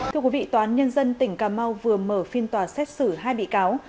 thưa quý vị tòa án nhân dân tỉnh cà mau vừa mở phiên tòa xét xử hai bị cáo